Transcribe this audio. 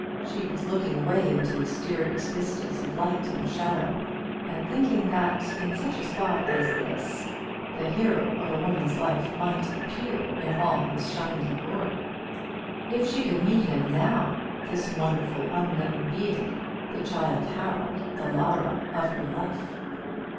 She was looking away into mysterious vistas of light and shadow, and thinking that in such a spot as this the hero of a woman's life might appear in all his shining glory. If she could meet him now, this wonderful unknown being the Childe Harold, the Lara, of her life!